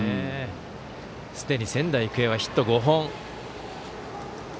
すでに仙台育英はヒット５本。